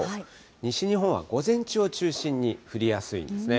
西日本は午前中を中心に降りやすいですね。